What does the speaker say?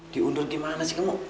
diundur gimana sih kamu